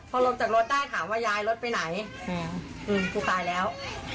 พอลงจากรถได้ถามว่ายายรถไปไหนกูตายแล้ว